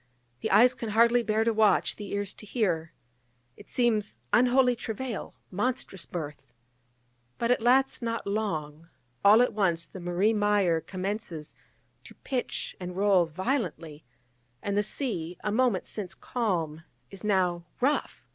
the eyes can hardly bear to watch, the ears to hear! it seems unholy travail, monstrous birth! But it lasts not long: all at once the Marie Meyer commences to pitch and roll violently, and the sea, a moment since calm, is now rough!